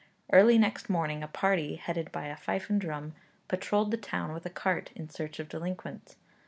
Early next morning a party, headed by a fife and drum, patrolled the town with a cart, in search of delinquents.